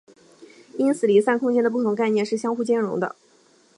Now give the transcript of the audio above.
因此离散空间的不同概念是相互兼容的。